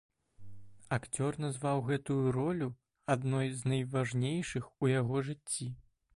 Акцёр назваў гэтую ролю адной з найважнейшых у яго жыцці.